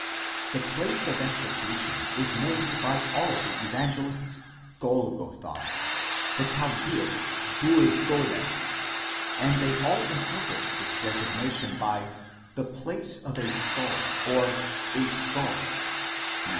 The place of execution is named by all the Evangelists Go/gotha, the Chaldaic 82228, and they all interpret this designation by κρανίου τόπος the place of a skull, or κρανίον a skull (Matt.